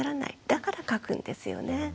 だから書くんですよね。